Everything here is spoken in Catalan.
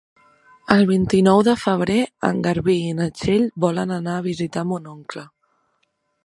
El vint-i-nou de febrer en Garbí i na Txell volen anar a visitar mon oncle.